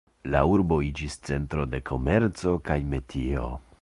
La urbo iĝis centro de komerco kaj metio.